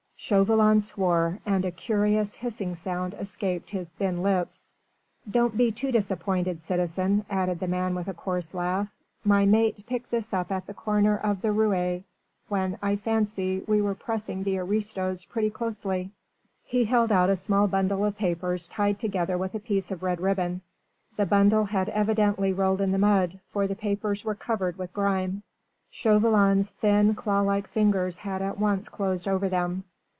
Chauvelin swore and a curious hissing sound escaped his thin lips. "Don't be too disappointed, citizen," added the man with a coarse laugh, "my mate picked this up at the corner of the Ruelle, when, I fancy, we were pressing the aristos pretty closely." He held out a small bundle of papers tied together with a piece of red ribbon: the bundle had evidently rolled in the mud, for the papers were covered with grime. Chauvelin's thin, claw like fingers had at once closed over them.